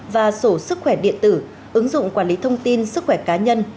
và sổ sức khỏe điện tử ứng dụng quản lý thông tin sức khỏe cá nhân